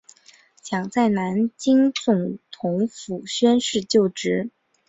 蒋在南京总统府宣誓就职。